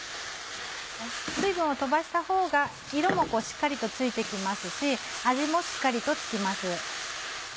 水分を飛ばしたほうが色もしっかりと付いて来ますし味もしっかりと付きます。